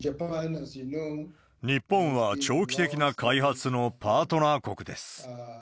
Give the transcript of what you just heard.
日本は長期的な開発のパートナー国です。